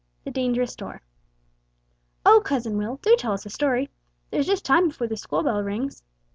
"] THE DANGEROUS DOOR "Oh, cousin Will, do tell us a story! There's just time before the school bell rings."